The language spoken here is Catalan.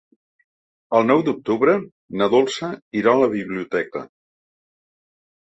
El nou d'octubre na Dolça irà a la biblioteca.